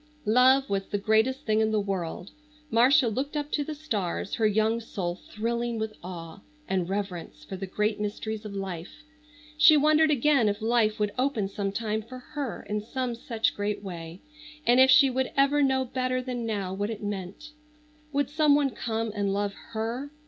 Love was the greatest thing in the world. Marcia looked up to the stars, her young soul thrilling with awe and reverence for the great mysteries of life. She wondered again if life would open sometime for her in some such great way, and if she would ever know better than now what it meant. Would some one come and love her?